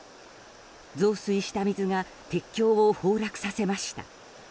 増水した水が鉄橋を崩落させました。